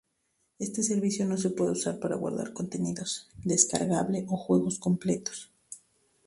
Este servicio no se puede usar para guardar contenido descargable o juegos completos...